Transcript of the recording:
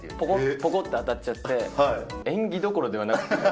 ぽこって当たっちゃって、演技どころではなくて。